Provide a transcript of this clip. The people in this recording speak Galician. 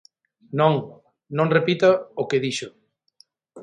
Non, non repita o que dixo.